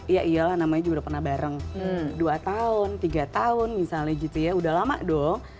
iya iyalah namanya juga udah pernah bareng dua tahun tiga tahun misalnya gitu ya udah lama dong